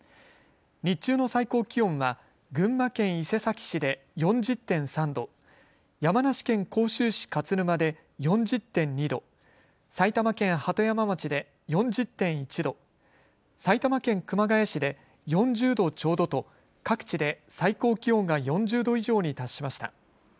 日中の最高気温は群馬県伊勢崎市で４０．３度、山梨県甲州市勝沼で４０．２度、埼玉県鳩山町で４０．１度、埼玉県熊谷市で４０度ちょうどと各地で最高気温が４０度以上に達しました。